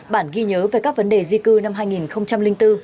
bản ghi nhớ về các vấn đề di cư năm hai nghìn bốn